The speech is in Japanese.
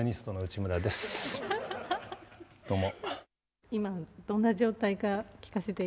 どうも。